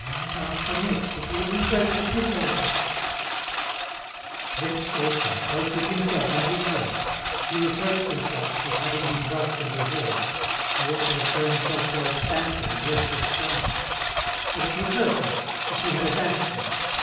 "Oh, night after next it will be great to kiss all that!" Vexed also, both with himself and with her. He reproached himself with having been brusque and reserved. He ought to have shown himself more expansive and less restrained. But it was her fault, for she had abashed him!